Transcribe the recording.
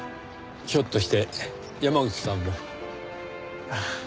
ひょっとして山口さんも？ああ。